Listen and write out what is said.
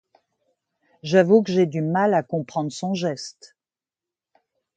J’avoue que j’ai du mal à comprendre son geste.